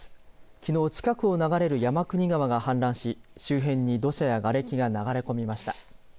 きのう近くを流れる山国川が氾濫し周辺に土砂やがれきが流れ込みました。